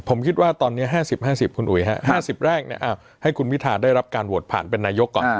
ผมคิดว่าตอนนี้๕๐๕๐คุณอุ๋ยฮะ๕๐แรกให้คุณพิธาได้รับการโหวตผ่านเป็นนายกก่อน